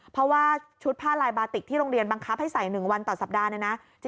เพราะว่าชุดผ้าลายบาติกที่โรงเรียนบังคับให้ใส่๑วันต่อสัปดาห์เนี่ยนะ